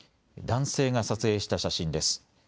男性が撮影した写真です。